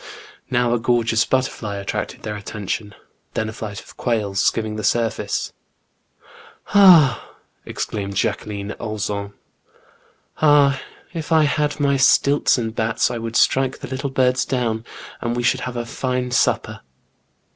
Now a gorgeous butterfly attracted their attention, then a flight of quails skimming the surface. Ah !exclaimed Jacquiline Auzun, " ah, if I had my ^ stilts and bats, I would strike the little birds down, and we should have a fine supper."